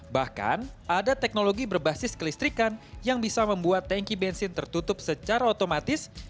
bahkan ada teknologi berbasis kelistrikan yang bisa membuat tanki bensin tertutup secara otomatis